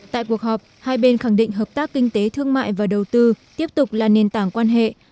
tại cuộc họp hai bên khẳng định hợp tác kinh tế thương mại và đầu tư tiếp tục là nền tảng quan hệ